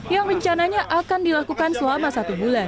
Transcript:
yang rencananya akan dilakukan selama satu bulan